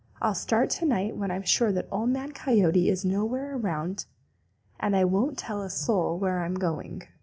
I'll start tonight when I am sure that Old Man Coyote is nowhere around, and I won't tell a soul where I am going."